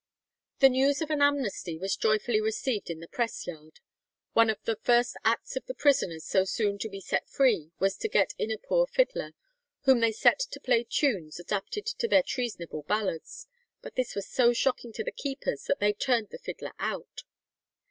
The news of an amnesty was joyfully received in the press yard. One of the first acts of the prisoners so soon to be set free was to get in a poor fiddler, "whom they set to play tunes adapted to their treasonable ballads; ... but this was so shocking to the keepers that they turned the fiddler out."